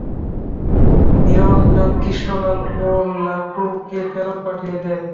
নিরঞ্জন, কৃষ্ণলাল ও লাটুকে ফেরত পাঠিয়ে দেব।